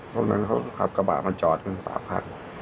เพราะฉะนั้นเขาขับกระบะมาจอด๓พัน